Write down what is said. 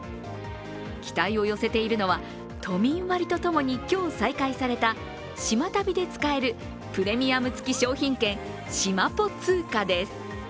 期待を寄せているのは都民割と共に今日、再開された島旅で使えるプレミアム付き商品券、しまぽ通貨です。